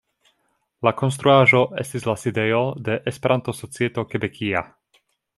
La konstruaĵo estis la sidejo de Esperanto-Societo Kebekia.